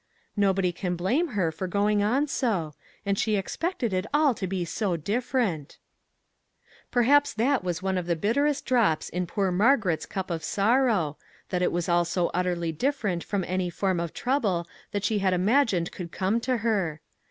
Nobody can blame her for going on so ; and she expected it all to be so different !" Perhaps that was one of the bitterest drops in poor Margaret's cup of sorrow, that it was all so utterly different from any form of trouble that she had imagined could come to her.